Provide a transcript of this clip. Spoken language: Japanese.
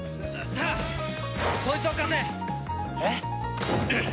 えっ？